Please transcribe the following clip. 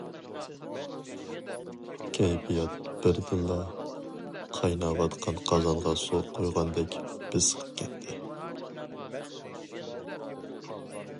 كەيپىيات بىردىنلا قايناۋاتقان قازانغا سۇ قۇيغاندەك بېسىقىپ كەتتى.